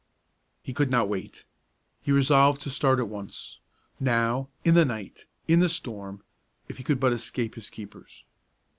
He could not wait. He resolved to start at once, now, in the night, in the storm, if he could but escape his keepers.